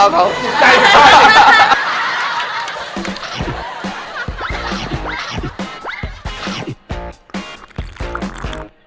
สุดยอด